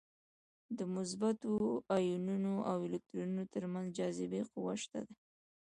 د مثبتو ایونونو او الکترونونو تر منځ جاذبې قوه شته ده.